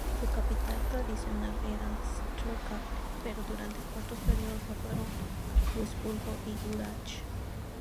Su capital tradicional era Stuttgart, pero durante cortos períodos lo fueron Luisburgo y Urach.